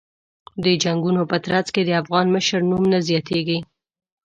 د جنګونو په ترڅ کې د افغان مشر نوم نه یادېږي.